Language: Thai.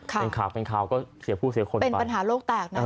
เป็นข่าวเป็นข่าวก็เสียผู้เสียคนเป็นปัญหาโลกแตกนะ